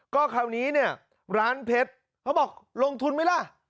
ก็คราวนี้เนี่ยร้านเพชรเขาบอกลงทุนไหมล่ะ